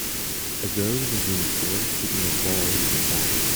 A girl in a uniform hitting a ball with a bat